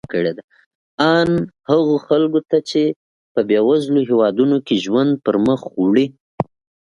ان هغو خلکو ته چې په بېوزلو هېوادونو کې ژوند پرمخ وړي.